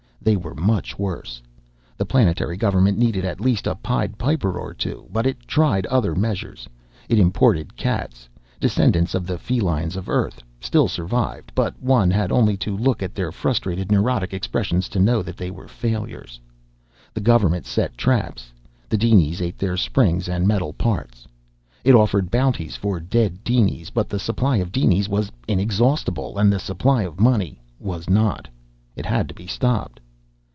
They were much worse. The planetary government needed at least a pied piper or two, but it tried other measures. It imported cats. Descendants of the felines of Earth still survived, but one had only to look at their frustrated, neurotic expressions to know that they were failures. The government set traps. The dinies ate their springs and metal parts. It offered bounties for dead dinies. But the supply of dinies was inexhaustible, and the supply of money was not. It had to be stopped.